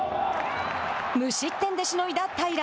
無失点でしのいだ平良。